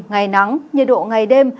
ngày nắng nhiệt độ ngày đêm